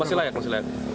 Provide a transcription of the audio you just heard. masih layak masih layak